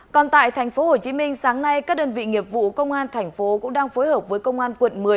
còn tại tp hcm sáng nay các đơn vị nghiệp vụ công an thành phố cũng đang phối hợp với công an quận một mươi